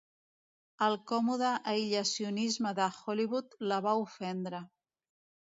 El còmode aïllacionisme de Hollywood la va ofendre.